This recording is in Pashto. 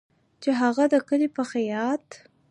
چې هغه د کلي په خیاط